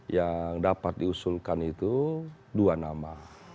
yang dapat diusulkan itu dua nama